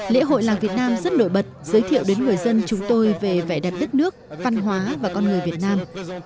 lễ hội làng việt nam rất nổi bật giới thiệu đến người dân chúng tôi về vẻ đẹp đất nước văn hóa và con người việt nam